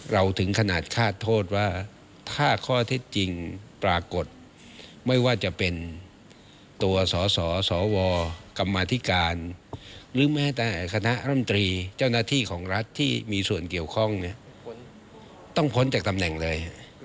ถึงขนาดคาดโทษว่าถ้าข้อเท็จจริงปรากฏไม่ว่าจะเป็นตัวสสวกรรมธิการหรือแม้แต่คณะร่ำตรีเจ้าหน้าที่ของรัฐที่มีส่วนเกี่ยวข้องเนี่ยต้องพ้นจากตำแหน่งเลย